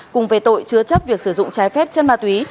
cùng về tội chứa chấp việc sử dụng trái phép chân ma túy